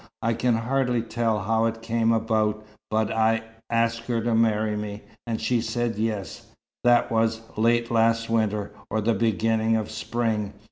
I can hardly tell how it came about, but I asked her to marry me, and she said yes. That was late last winter or the beginning of spring.